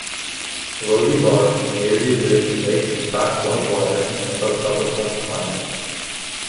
Rosy barbs natively live in lakes and fast flowing water in a subtropical climate.